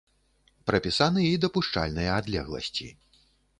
Прапісаны і дапушчальныя адлегласці.